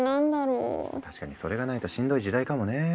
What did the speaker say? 確かにそれがないとしんどい時代かもね。